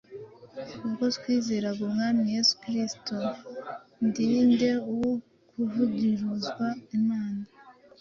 ubwo twizeraga Umwami Yesu Kristo, ndi nde wo kuvuguruza Imana